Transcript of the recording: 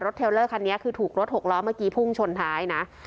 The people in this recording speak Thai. เทลเลอร์คันนี้คือถูกรถหกล้อเมื่อกี้พุ่งชนท้ายนะ